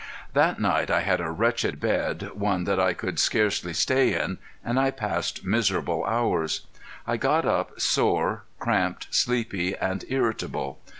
That night I had a wretched bed, one that I could hardly stay in, and I passed miserable hours. I got up sore, cramped, sleepy and irritable.